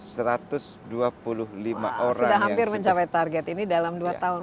sudah hampir mencapai target ini dalam dua tahun